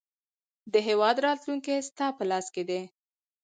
د هیواد راتلونکی ستا په لاس کې دی.